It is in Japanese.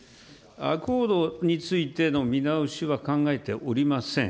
アコードについての見直しは考えておりません。